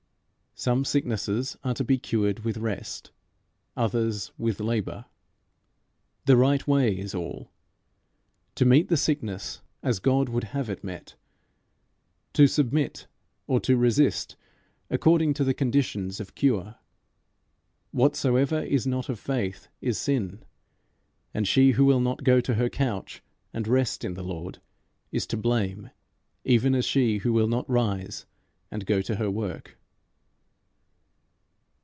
Some sicknesses are to be cured with rest, others with labour. The right way is all to meet the sickness as God would have it met, to submit or to resist according to the conditions of cure. Whatsoever is not of faith is sin; and she who will not go to her couch and rest in the Lord, is to blame even as she who will not rise and go to her work.